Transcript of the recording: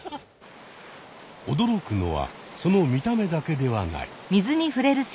おどろくのはその見た目だけではない。